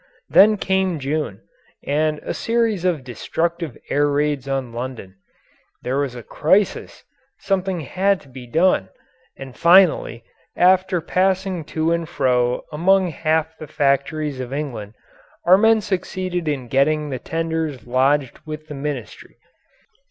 Then came June and a series of destructive air raids on London. There was a crisis. Something had to be done, and finally, after passing to and fro among half the factories of England, our men succeeded in getting the tenders lodged with the Ministry.